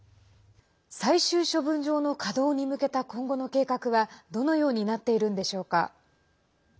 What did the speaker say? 最終処分場の稼働に向けた今後の計画はどのようになっているんでしょうか？